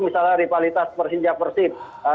masalah rivalitas persinjak persin